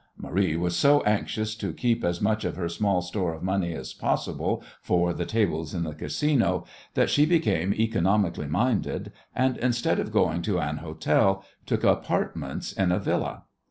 Marie was so anxious to keep as much of her small store of money as possible for the tables in the Casino that she became economically minded, and, instead of going to an hotel, took apartments in a Villa.